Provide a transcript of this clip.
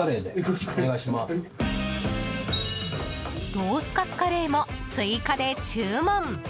ロースカツカレーも追加で注文。